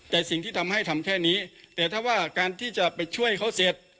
แต่สิ่งที่ทำให้ทำแค่นี้แต่ถ้าว่าการที่จะไปช่วยเขาเสร็จ